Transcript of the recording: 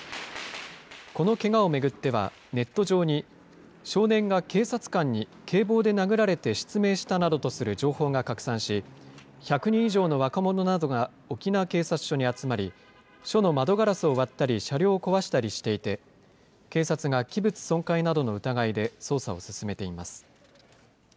このけがを巡っては、ネット上に、少年が警察官に警棒で殴られて失明したなどとする情報が拡散し、１００人以上の若者などが沖縄警察署に集まり、署の窓ガラスを割ったり、車両を壊したりしていて、警察が器物損壊などの疑いで捜査を進めています。